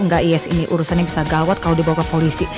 nggak iya sih ini urusan yang bisa gawat kalau dibawa ke polisi